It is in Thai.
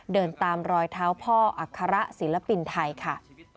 เดินตามรอยเท้าพ่ออัคระศิลปินไทยค่ะ